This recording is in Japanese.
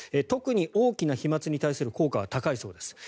特に大きな飛沫に対する効果は高いそうです。